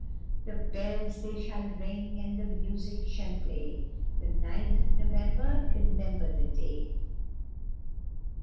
CHORUS. The bells they shall ring, and the music shall play, The ninth of November, remember the day.